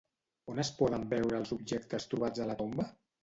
On es poden veure els objectes trobats a la tomba?